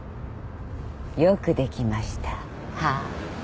よくできましたハァト。